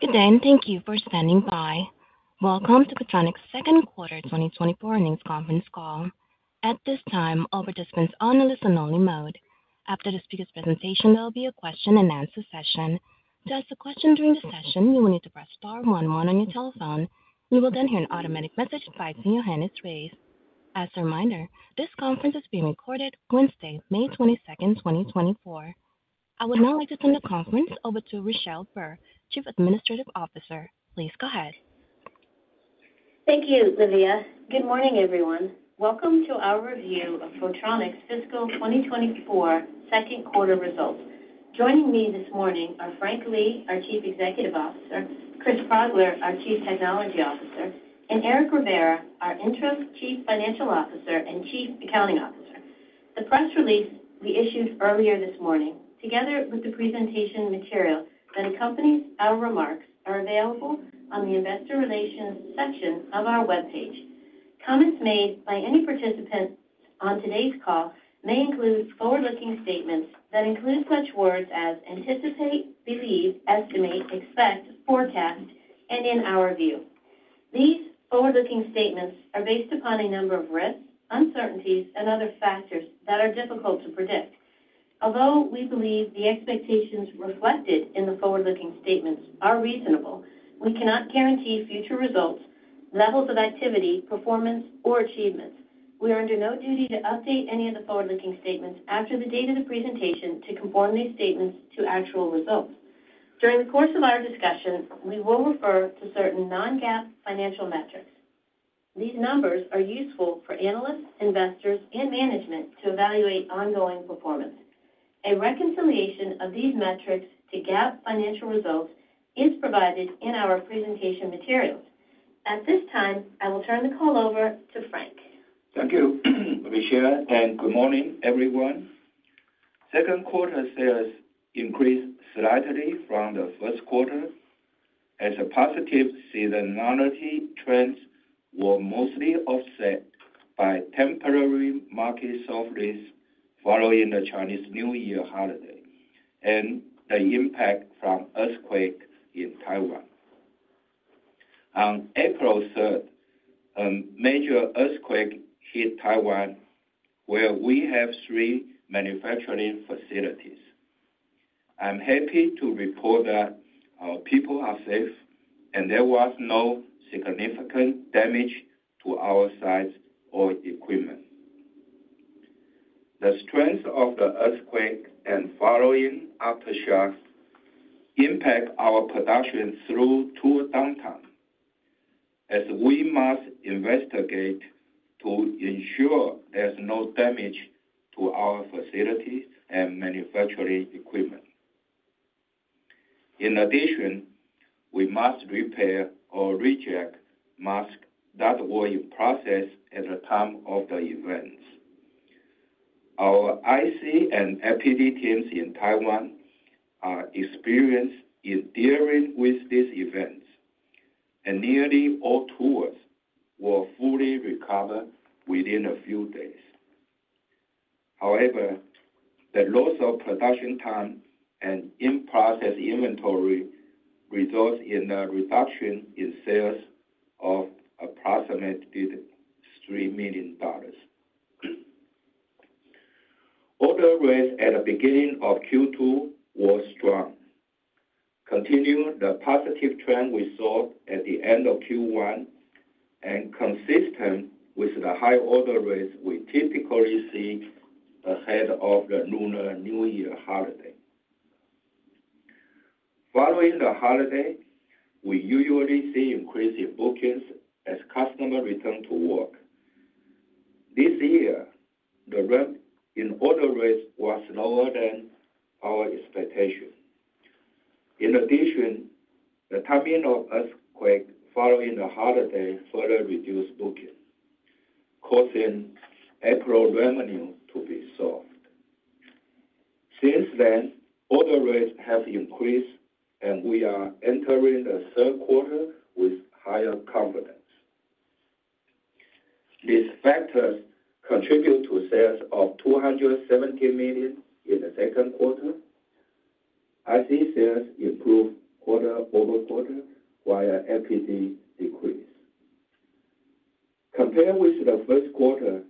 Good day, and thank you for standing by. Welcome to Photronics' second quarter 2024 earnings conference call. At this time, all participants are on a listen-only mode. After the speaker's presentation, there will be a question-and-answer session. To ask a question during the session, you will need to press star one one on your telephone. You will then hear an automatic message advising your hand is raised. As a reminder, this conference is being recorded Wednesday, May 22, 2024. I would now like to turn the conference over to Richelle Burr, Chief Administrative Officer. Please go ahead. Thank you, Livia. Good morning, everyone. Welcome to our review of Photronics' fiscal 2024 second quarter results. Joining me this morning are Frank Lee, our Chief Executive Officer, Chris Progler, our Chief Technology Officer, and Eric Rivera, our Interim Chief Financial Officer and Chief Accounting Officer. The press release we issued earlier this morning, together with the presentation material that accompanies our remarks, are available on the Investor Relations section of our webpage. Comments made by any participant on today's call may include forward-looking statements that include such words as anticipate, believe, estimate, expect, forecast, and in our view. These forward-looking statements are based upon a number of risks, uncertainties, and other factors that are difficult to predict. Although we believe the expectations reflected in the forward-looking statements are reasonable, we cannot guarantee future results, levels of activity, performance, or achievements. We are under no duty to update any of the forward-looking statements after the date of the presentation to conform these statements to actual results. During the course of our discussion, we will refer to certain non-GAAP financial metrics. These numbers are useful for analysts, investors, and management to evaluate ongoing performance. A reconciliation of these metrics to GAAP financial results is provided in our presentation materials. At this time, I will turn the call over to Frank. Thank you, Richelle, and good morning, everyone. Second quarter sales increased slightly from the first quarter as positive seasonality trends were mostly offset by temporary market softness following the Chinese New Year holiday and the impact from earthquake in Taiwan. On April 3, a major earthquake hit Taiwan, where we have three manufacturing facilities. I'm happy to report that our people are safe, and there was no significant damage to our sites or equipment. The strength of the earthquake and following aftershocks impact our production through tool downtime, as we must investigate to ensure there's no damage to our facilities and manufacturing equipment. In addition, we must repair or recheck masks that were in process at the time of the events. Our IC and FPD teams in Taiwan are experienced in dealing with these events, and nearly all tools were fully recovered within a few days. However, the loss of production time and in-process inventory results in a reduction in sales of approximately $3 million. Order rates at the beginning of Q2 were strong, continuing the positive trend we saw at the end of Q1 and consistent with the high order rates we typically see ahead of the Lunar New Year holiday. Following the holiday, we usually see increase in bookings as customers return to work. This year, the rate in order rates was lower than our expectation. In addition, the timing of earthquake following the holiday further reduced booking, causing April revenue to be soft. Since then, order rates have increased, and we are entering the third quarter with higher confidence. These factors contribute to sales of $217 million in the second quarter. IC sales improved quarter-over-quarter, while FPD decreased. Compared with the first quarter,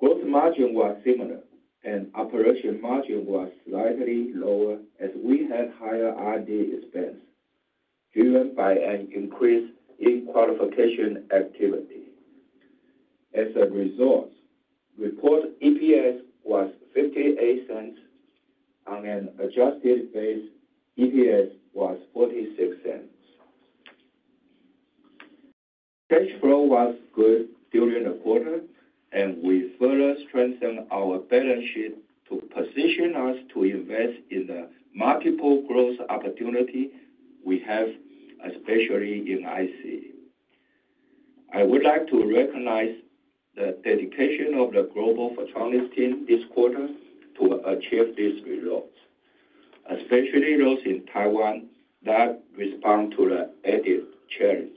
gross margin was similar, and operating margin was slightly lower as we had higher R&D expense, driven by an increase in qualification activity. As a result, reported EPS was $0.58. On an adjusted base, EPS was $0.46. Cash flow was good during the quarter, and we further strengthened our balance sheet to position us to invest in the multiple growth opportunity we have, especially in IC. I would like to recognize the dedication of the global Photronics team this quarter to achieve these results, especially those in Taiwan that respond to the added challenge....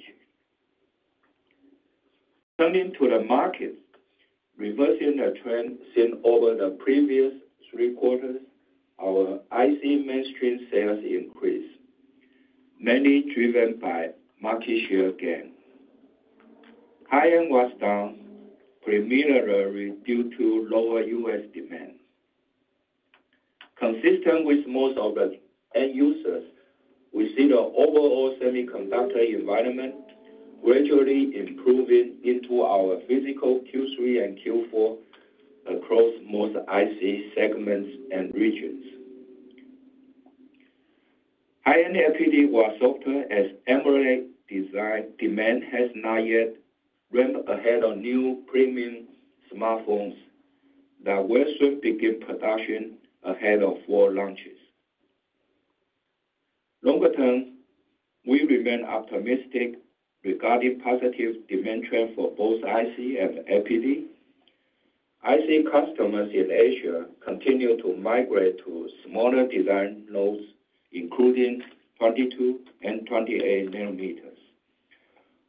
Turning to the markets, reversing the trend seen over the previous three quarters, our IC mainstream sales increased, mainly driven by market share gain. High-end was down, primarily due to lower U.S. demand. Consistent with most of the end users, we see the overall semiconductor environment gradually improving into our fiscal Q3 and Q4 across most IC segments and regions. High-end FPD was softer as AMOLED design demand has not yet ramped ahead of new premium smartphones that will soon begin production ahead of fall launches. Longer term, we remain optimistic regarding positive demand trend for both IC and FPD. IC customers in Asia continue to migrate to smaller design nodes, including 22 nm and 28 nm.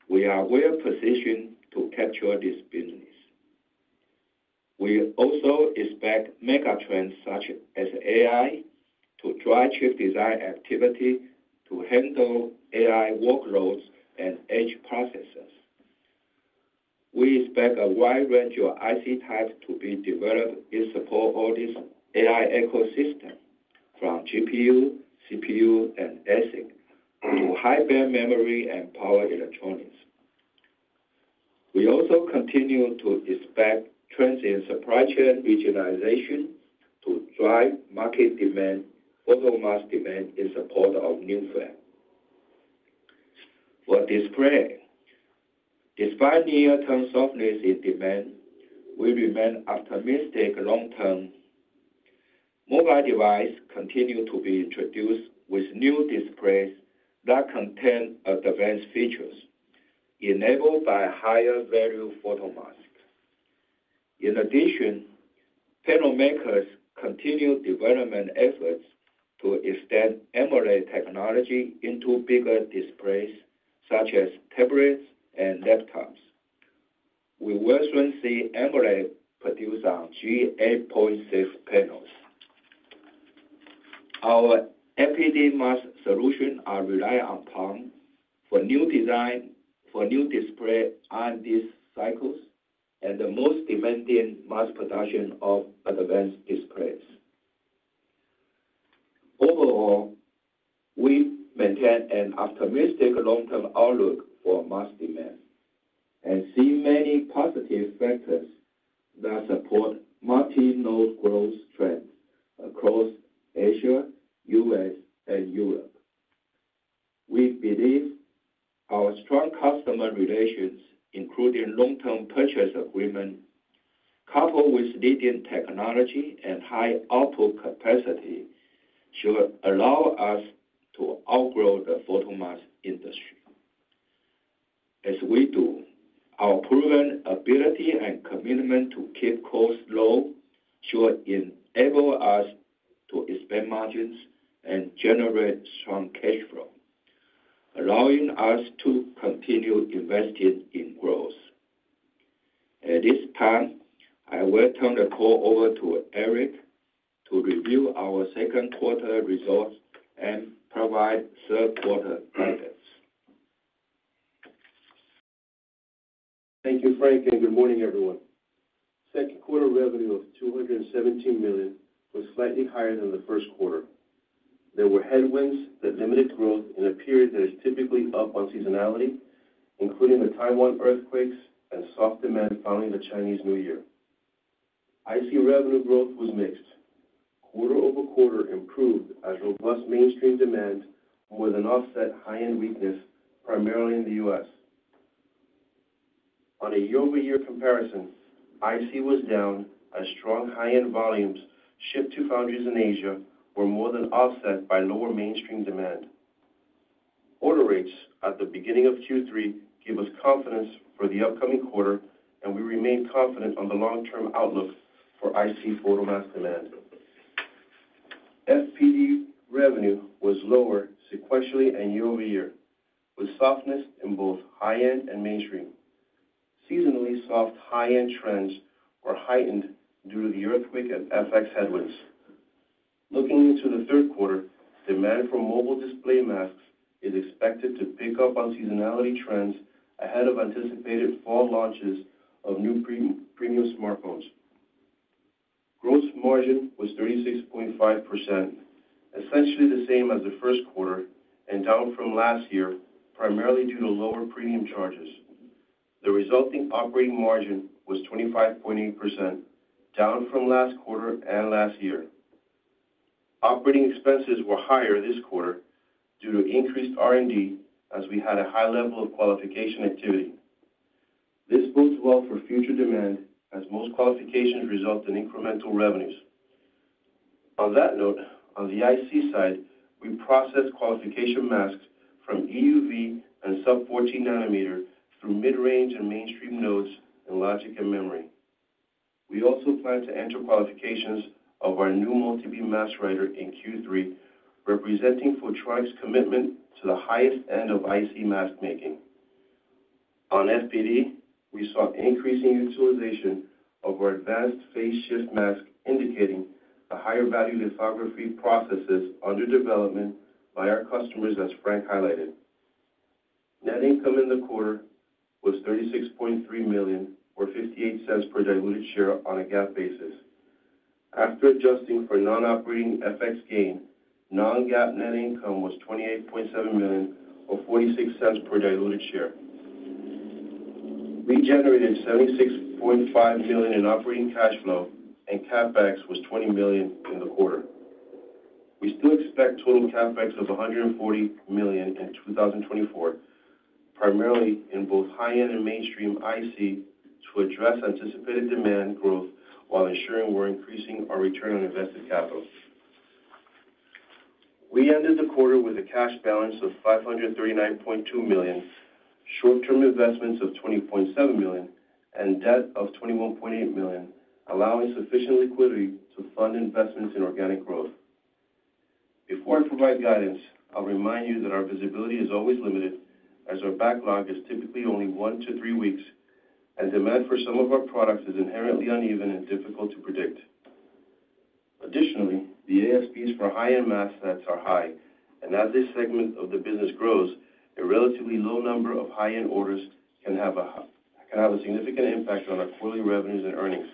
We are well positioned to capture this business. We also expect mega trends such as AI to drive chip design activity to handle AI workloads and edge processors. We expect a wide range of IC types to be developed in support of this AI ecosystem, from GPU, CPU, and ASIC, to High Bandwidth Memory and power electronics. We also continue to expect trends in supply chain regionalization to drive market demand, photomask demand in support of new fab. For display, despite near-term softness in demand, we remain optimistic long term. Mobile device continue to be introduced with new displays that contain advanced features, enabled by higher value photomasks. In addition, panel makers continue development efforts to extend AMOLED technology into bigger displays, such as tablets and laptops. We will soon see AMOLED produce on G8.6 panels. Our FPD mask solution are relied upon for new design, for new display on these cycles and the most demanding mass production of advanced displays. Overall, we maintain an optimistic long-term outlook for mask demand and see many positive factors that support multi-node growth trends across Asia, U.S., and Europe. We believe our strong customer relations, including long-term purchase agreement, coupled with leading technology and high output capacity, should allow us to outgrow the photomask industry. As we do, our proven ability and commitment to keep costs low should enable us to expand margins and generate strong cash flow, allowing us to continue investing in growth. At this time, I will turn the call over to Eric to review our second quarter results and provide third quarter guidance. Thank you, Frank, and good morning, everyone. Second quarter revenue of $217 million was slightly higher than the first quarter. There were headwinds that limited growth in a period that is typically up on seasonality, including the Taiwan earthquakes and soft demand following the Chinese New Year. IC revenue growth was mixed. Quarter-over-quarter improved as robust mainstream demand more than offset high-end weakness, primarily in the U.S. On a year-over-year comparison, IC was down as strong high-end volumes shipped to foundries in Asia were more than offset by lower mainstream demand. Order rates at the beginning of Q3 give us confidence for the upcoming quarter, and we remain confident on the long-term outlook for IC photomask demand. FPD revenue was lower sequentially and year-over-year, with softness in both high-end and mainstream. Seasonally soft high-end trends were heightened due to the earthquake and FX headwinds. Looking into the third quarter, demand for mobile display masks is expected to pick up on seasonality trends ahead of anticipated fall launches of new premium smartphones. Gross margin was 36.5%, essentially the same as the first quarter and down from last year, primarily due to lower premium charges. The resulting operating margin was 25.8%, down from last quarter and last year. Operating expenses were higher this quarter due to increased R&D, as we had a high level of qualification activity. This bodes well for future demand as most qualifications result in incremental revenues. On that note, on the IC side, we processed qualification masks from EUV and sub-14 nm through mid-range and mainstream nodes in logic and memory. We also plan to enter qualifications of our new multi-beam mask writer in Q3, representing Photronics' commitment to the highest end of IC mask making. On FPD, we saw increasing utilization of our advanced phase shift mask, indicating the higher value lithography processes under development by our customers, as Frank highlighted. Net income in the quarter was $36.3 million, or $0.58 per diluted share on a GAAP basis. After adjusting for non-operating FX gain, non-GAAP net income was $28.7 million or $0.46 per diluted share. We generated $76.5 million in operating cash flow, and CapEx was $20 million in the quarter. We still expect total CapEx of $140 million in 2024, primarily in both high-end and mainstream IC, to address anticipated demand growth while ensuring we're increasing our return on invested capital. We ended the quarter with a cash balance of $539.2 million, short-term investments of $20.7 million, and debt of $21.8 million, allowing sufficient liquidity to fund investments in organic growth. Before I provide guidance, I'll remind you that our visibility is always limited, as our backlog is typically only one to three weeks, and demand for some of our products is inherently uneven and difficult to predict. Additionally, the ASPs for high-end mask sets are high, and as this segment of the business grows, a relatively low number of high-end orders can have a significant impact on our quarterly revenues and earnings.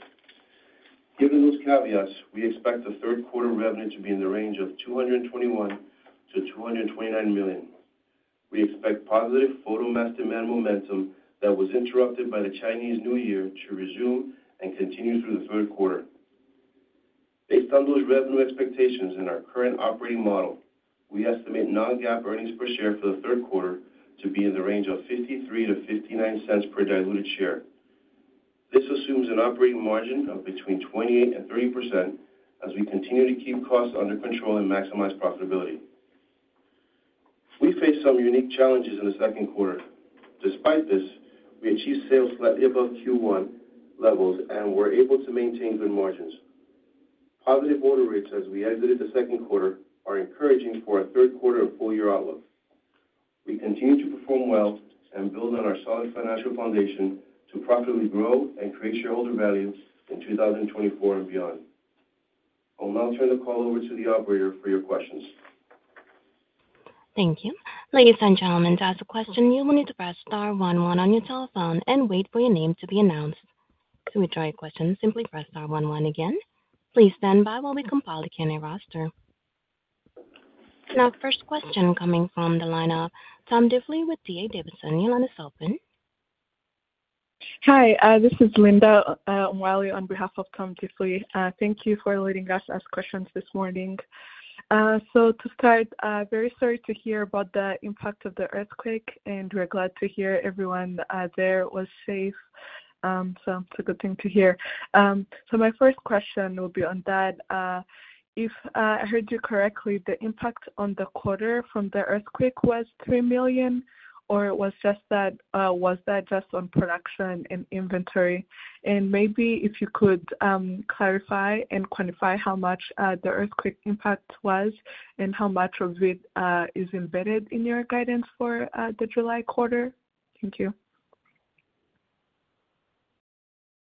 Given those caveats, we expect the third quarter revenue to be in the range of $221 million-$229 million. We expect positive photomask demand momentum that was interrupted by the Chinese New Year to resume and continue through the third quarter. Based on those revenue expectations and our current operating model, we estimate non-GAAP earnings per share for the third quarter to be in the range of $0.53-$0.59 per diluted share. This assumes an operating margin of between 28% and 30% as we continue to keep costs under control and maximize profitability. We faced some unique challenges in the second quarter. Despite this, we achieved sales slightly above Q1 levels, and we're able to maintain good margins. Positive order rates as we exited the second quarter are encouraging for our third quarter of full year outlook. We continue to perform well and build on our solid financial foundation to profitably grow and create shareholder value in 2024 and beyond. I'll now turn the call over to the operator for your questions. Thank you. Ladies and gentlemen, to ask a question, you will need to press star one one on your telephone and wait for your name to be announced. To withdraw your question, simply press star one one again. Please stand by while we compile the Q&A roster. So now the first question coming from the line of Tom Diffley with D.A. Davidson. Your line is open. Hi, this is Linda Umali on behalf of Tom Diffley. Thank you for letting us ask questions this morning. So to start, very sorry to hear about the impact of the earthquake, and we're glad to hear everyone there was safe. So it's a good thing to hear. So my first question will be on that. If I heard you correctly, the impact on the quarter from the earthquake was $3 million, or it was just that, was that just on production and inventory? And maybe if you could clarify and quantify how much the earthquake impact was and how much of it is embedded in your guidance for the July quarter? Thank you.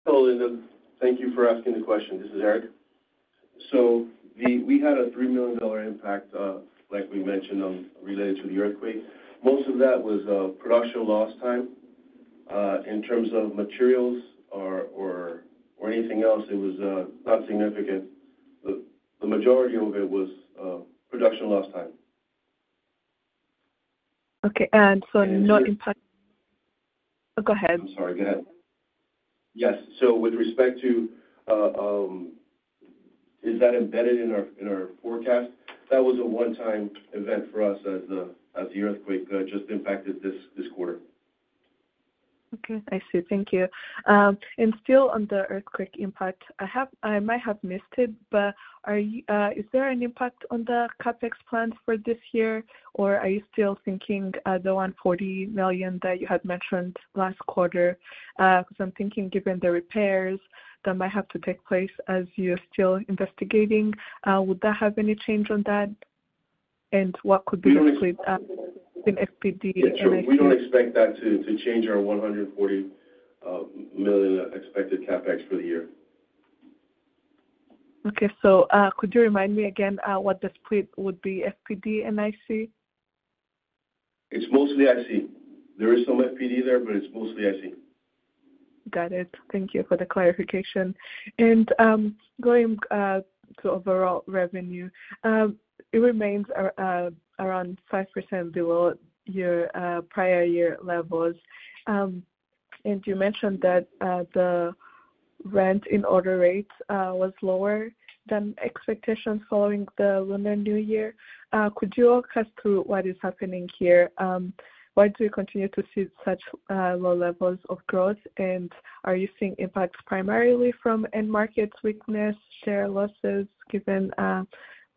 Hello, Linda. Thank you for asking the question. This is Eric. So we had a $3 million impact, like we mentioned, related to the earthquake. Most of that was production loss time. In terms of materials or anything else, it was not significant. The majority of it was production loss time. Okay, and so not impact— Oh, go ahead. I'm sorry, go ahead. Yes, so with respect to, is that embedded in our forecast, that was a one-time event for us as the earthquake just impacted this quarter. Okay, I see. Thank you. And still on the earthquake impact, I have—I might have missed it, but are you—is there an impact on the CapEx plans for this year, or are you still thinking, the $140 million that you had mentioned last quarter? Because I'm thinking, given the repairs that might have to take place as you are still investigating, would that have any change on that? And what could be the split, in FPD and IC? We don't expect that to change our $140 million expected CapEx for the year. Okay. Could you remind me again, what the split would be, FPD and IC? It's mostly IC. There is some FPD there, but it's mostly IC. Got it. Thank you for the clarification. And going to overall revenue, it remains around 5% below your prior year levels. And you mentioned that the turn-in order rates was lower than expectations following the Lunar New Year. Could you walk us through what is happening here? Why do you continue to see such low levels of growth? And are you seeing impacts primarily from end market weakness, share losses, given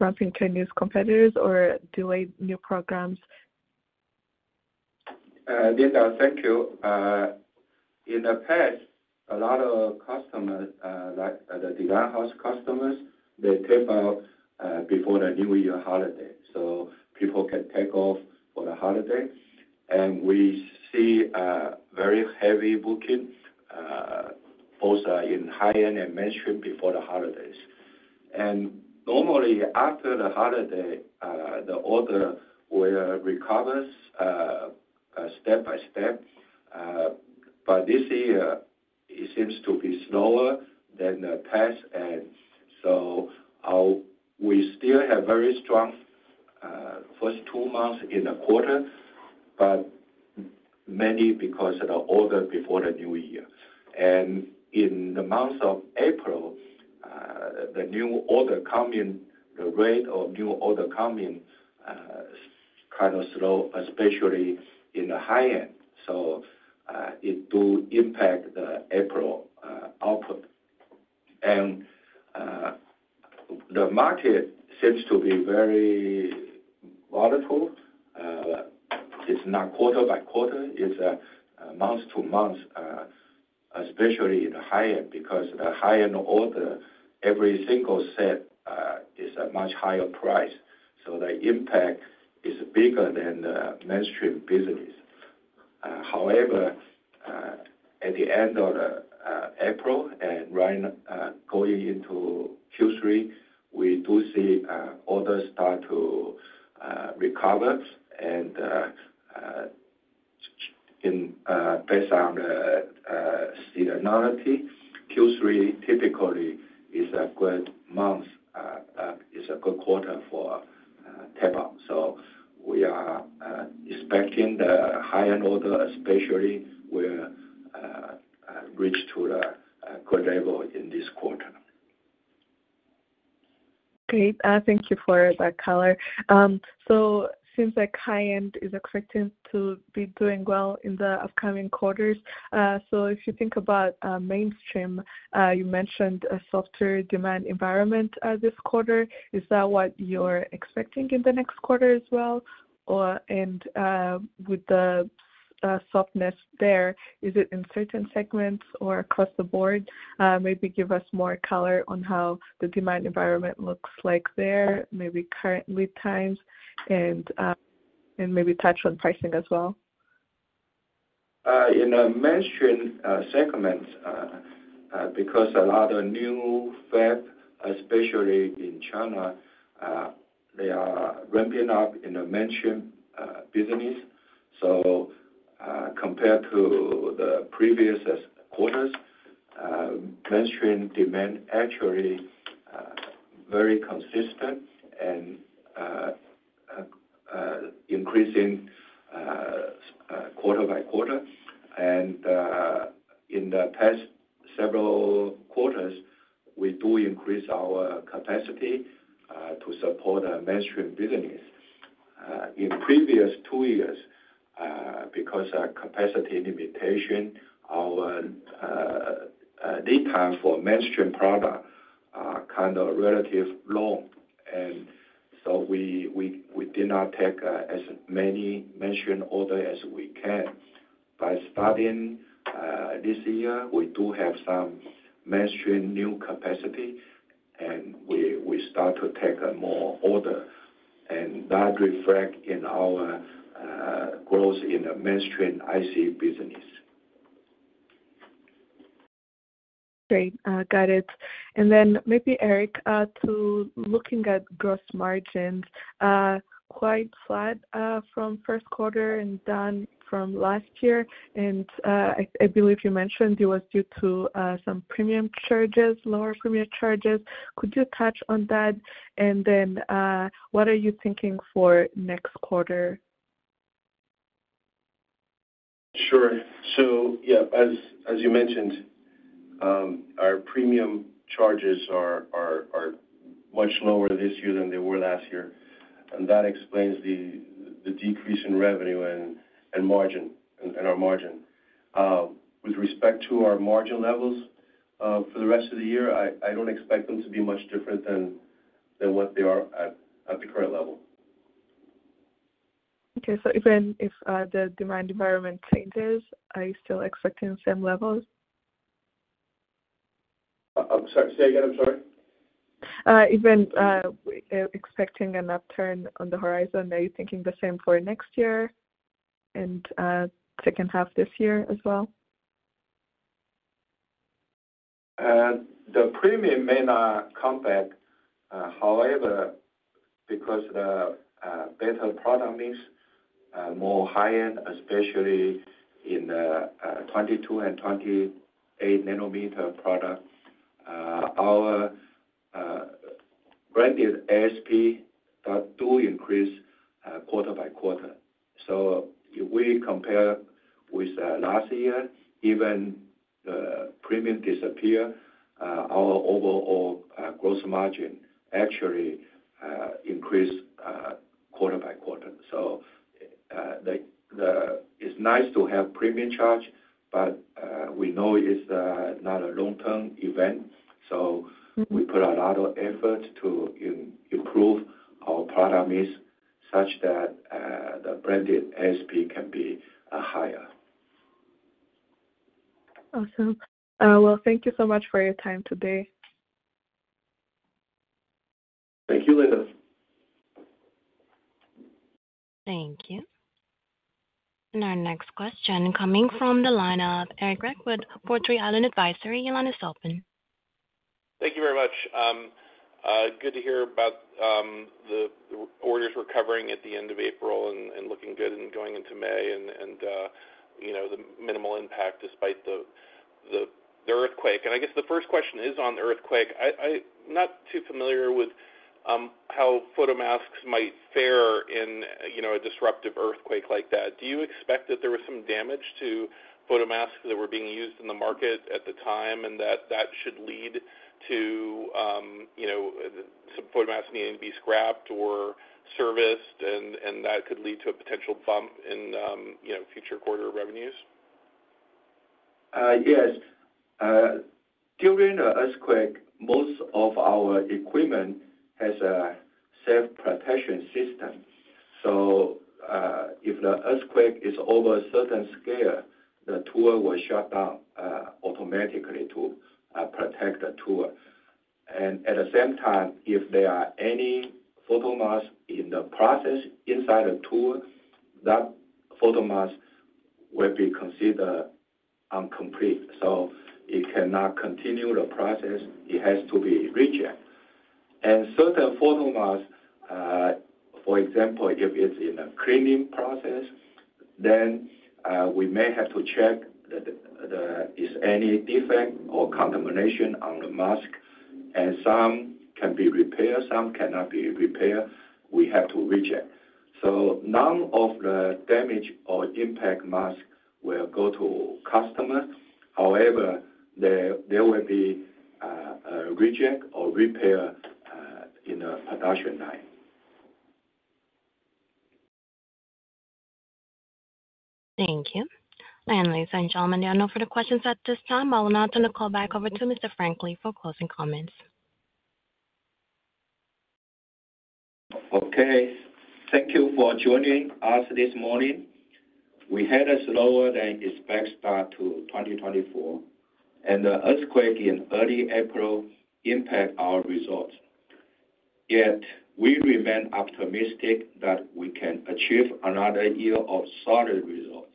ramping Chinese competitors or delayed new programs?... Linda, thank you. In the past, a lot of customers, like the design house customers, they tape out before the New Year holiday, so people can take off for the holiday. And we see very heavy bookings both in high-end and mainstream before the holidays. And normally, after the holiday, the order will recovers step by step. But this year, it seems to be slower than the past, and so we still have very strong first two months in the quarter, but mainly because of the order before the New Year. And in the month of April, the new order come in, the rate of new order come in is kind of slow, especially in the high-end. So it do impact the April output. The market seems to be very volatile. It's not quarter by quarter, it's month to month, especially in the high end, because the high-end order, every single set, is a much higher price, so the impact is bigger than the mainstream business. However, at the end of April and right going into Q3, we do see orders start to recover. Based on the seasonality, Q3 typically is a good month, is a good quarter for tape out. We are expecting the high-end order especially will reach to the good level in this quarter. Great. Thank you for that color. So seems like high end is expected to be doing well in the upcoming quarters. So if you think about mainstream, you mentioned a softer demand environment this quarter. Is that what you're expecting in the next quarter as well? And with the softness there, is it in certain segments or across the board? Maybe give us more color on how the demand environment looks like there, maybe current lead times, and maybe touch on pricing as well. In the mainstream segments, because a lot of new fab, especially in China, they are ramping up in the mainstream business. So, compared to the previous quarters, mainstream demand actually very consistent and increasing quarter by quarter. And, in the past several quarters, we do increase our capacity to support our mainstream business. In previous two years, because of capacity limitation, our lead time for mainstream product are kind of relative long, and so we did not take as many mainstream order as we can. By starting this year, we do have some mainstream new capacity, and we start to take more order, and that reflect in our growth in the mainstream IC business. Great, got it. And then maybe, Eric, to looking at gross margins, quite flat, from first quarter and down from last year. And, I believe you mentioned it was due to, some premium charges, lower premium charges. Could you touch on that? And then, what are you thinking for next quarter? Sure. So yeah, as you mentioned, our premium charges are much lower this year than they were last year, and that explains the decrease in revenue and margin, and our margin. With respect to our margin levels, for the rest of the year, I don't expect them to be much different than what they are at the current level. Okay. So even if the demand environment changes, are you still expecting the same levels? I'm sorry, say again, I'm sorry. Even expecting an upturn on the horizon, are you thinking the same for next year and second half this year as well? The premium may not come back. However, because the better product mix, more high-end, especially in the 22- and 28-nm product, our branded ASP do increase quarter by quarter. So if we compare with last year, even the premium disappear, our overall growth margin actually increase quarter by quarter. So, it's nice to have premium charge, but we know it's not a long-term event. So- Mm-hmm. We put a lot of effort to improve our product is such that, the branded ASP can be higher. Awesome. Well, thank you so much for your time today. Thank you, Linda. Thank you. Our next question coming from the line of Eric Redwood, Portre Island Advisory. Your line is open. Thank you very much. Good to hear about the orders recovering at the end of April and looking good and going into May, you know, the minimal impact despite the earthquake. I guess the first question is on the earthquake. I'm not too familiar with how photomasks might fare in, you know, a disruptive earthquake like that. Do you expect that there was some damage to photomasks that were being used in the market at the time, and that should lead to, you know, some photomasks needing to be scrapped or serviced, and that could lead to a potential bump in, you know, future quarter revenues? Yes. During the earthquake, most of our equipment has a self-protection system. So, if the earthquake is over a certain scale, the tool will shut down automatically to protect the tool. And at the same time, if there are any photomask in the process inside the tool, that photomask will be considered incomplete. So it cannot continue the process, it has to be rejected. And certain photomask, for example, if it's in a cleaning process, then we may have to check if there is any defect or contamination on the mask, and some can be repaired, some cannot be repaired, we have to reject. So none of the damage or impact mask will go to customer. However, there will be a reject or repair in the production line. Thank you. Ladies and gentlemen, there are no further questions at this time. I will now turn the call back over to Mr. Frank Lee for closing comments. Okay. Thank you for joining us this morning. We had a slower than expected start to 2024, and the earthquake in early April impact our results. Yet, we remain optimistic that we can achieve another year of solid results.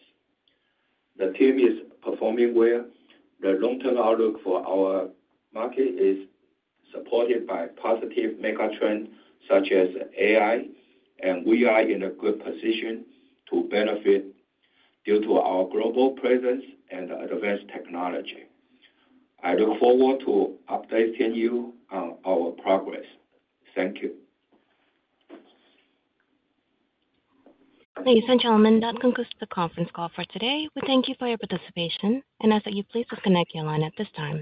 The team is performing well. The long-term outlook for our market is supported by positive mega trends such as AI, and we are in a good position to benefit due to our global presence and advanced technology. I look forward to updating you on our progress. Thank you. Ladies and gentlemen, that concludes the conference call for today. We thank you for your participation, and I ask that you please disconnect your line at this time.